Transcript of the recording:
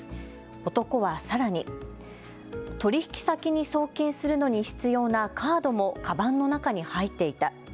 男はさらに取引先に送金するのに必要なカードもかばんの中に入っていた。